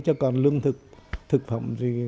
chứ còn lương thực thực phẩm thì dân nó lo hết